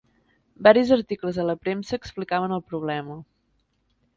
Varis articles a la premsa explicaven el problema.